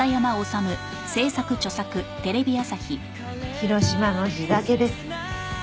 広島の地酒です。